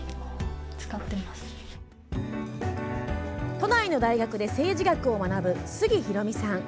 都内の大学で政治学を学ぶすぎひろみさん。